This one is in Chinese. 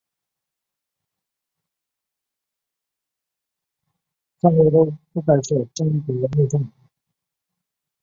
三国都同意不干涉中国内政。